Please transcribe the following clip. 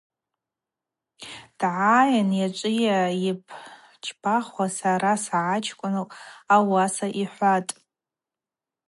Дгӏайын: Йачӏвыйа йыбчпахуа, сара ссагӏачкӏвын,—ауаса йхӏватӏ.